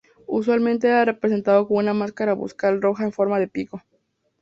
Usualmente era representado con una máscara bucal roja en forma de pico.